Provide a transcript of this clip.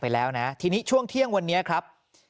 แล้วนะทีนี้ช่วงเที่ยงวันนี้ครับ